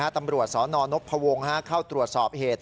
ตำรวจสนนพวงเข้าตรวจสอบเหตุ